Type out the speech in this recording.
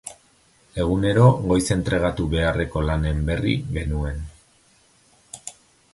Egunero goiz entregatu beharreko lanen berri genuen.